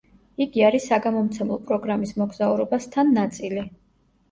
იგი არის საგამომცემლო პროგრამის „მოგზაურობა სთან“ ნაწილი.